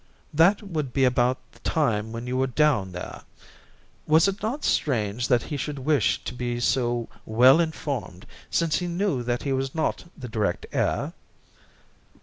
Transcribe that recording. That would be about the time when you were down there. Was it not strange that he should wish to be so well informed, since he knew that he was not the direct heir?"